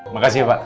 makasih ya pak